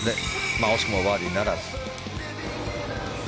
惜しくもバーディーならず。